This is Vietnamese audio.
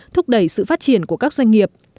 thúc đẩy sự phát triển của các doanh nghiệp